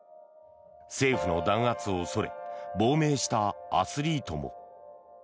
政府の弾圧を恐れ亡命したアスリートも。